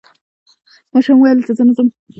ماشوم وویل چې زه نه ځم.